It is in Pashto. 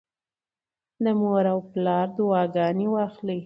د مور او پلار دعاګانې واخلئ.